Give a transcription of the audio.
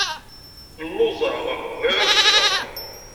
Lluẓeɣ, bɣiɣ ad ččeɣ.